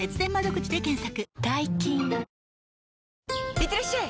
いってらっしゃい！